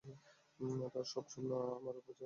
তার সব স্বপ্ন-আশা আমার উপর চাপানো।